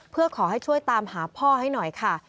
เพื่อขอให้ช่วยตามหาพ่อให้หน่อยค่ะ